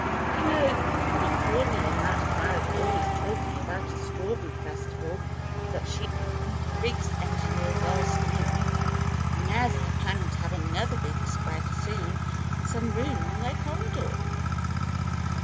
"You know, Cora Courtney and that crowd are always talking about a strawberry festival that she and Linda Riggs engineered last June. And now they are planning to have another big spread soon in some room on their corridor."